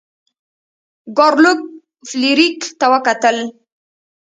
ګارلوک فلیریک ته وکتل.